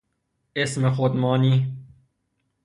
اسم خود مانی